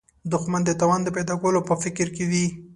دښمن د تاوان د پیدا کولو په فکر کې وي